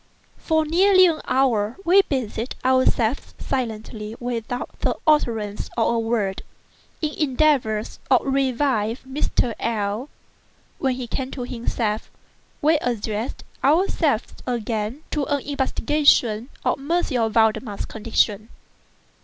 For nearly an hour, we busied ourselves, silently—without the utterance of a word—in endeavors to revive Mr. L—l. When he came to himself, we addressed ourselves again to an investigation of M. Valdemar's condition.